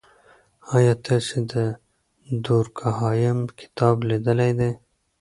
آیا تاسې د دورکهایم کتاب لیدلی دی؟